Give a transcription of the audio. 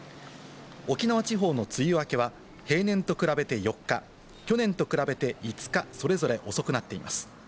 沖縄地方の梅雨明けは平年と比べて４日、去年と比べて５日、それぞれ遅くなっています。